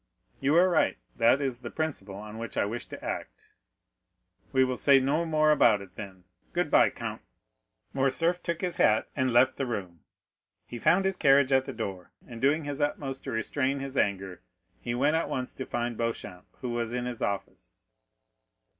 "You are right—that is the principle on which I wish to act." "We will say no more about it, then. Good bye, count." Morcerf took his hat, and left the room. He found his carriage at the door, and doing his utmost to restrain his anger he went at once to find Beauchamp, who was in his office.